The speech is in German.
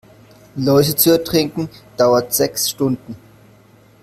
Läuse zu ertränken, dauert sechs Stunden.